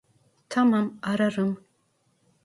Tamam, ararım.